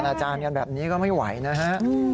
อาจารย์กันแบบนี้ก็ไม่ไหวนะฮะ